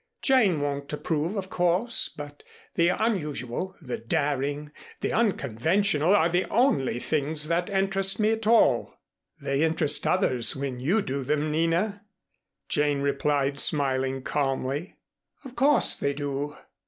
"Jane won't approve, of course; but the unusual, the daring, the unconventional are the only things that interest me at all." "They interest others when you do them, Nina," Jane replied smiling calmly. "Of course, they do.